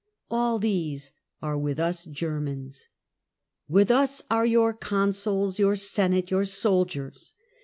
All these are with us Germans ... with us are your consuls, your Senate, your soldiers.